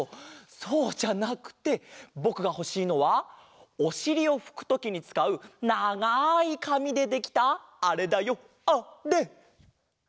そうじゃなくてぼくがほしいのはおしりをふくときにつかうながいかみでできたあれだよあれ！